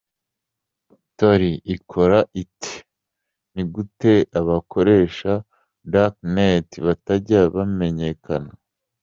Tor ikora ite? Ni gute abakoresha Dark net batajya bamenyekana ?.